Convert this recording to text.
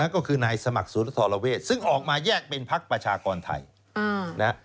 ก็คือนายสมัครสุรธรเวศซึ่งออกมาแยกเป็นพักประชากรไทย